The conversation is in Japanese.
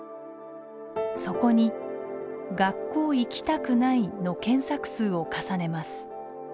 そこに「学校行きたくない」の検索数を重ねます。